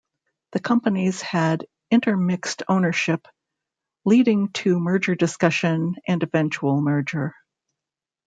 The companies had inter-mixed ownership, leading to merger discussion, and eventual merger.